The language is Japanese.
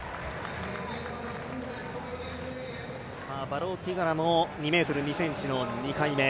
バローティガラも２ｍ２ｃｍの２回目。